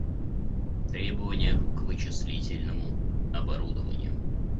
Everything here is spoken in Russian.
Требования к вычислительному оборудованию